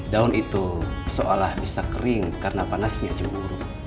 daun itu seolah bisa kering karena panasnya cemburu